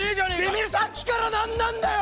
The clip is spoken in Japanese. てめぇさっきから何なんだよ！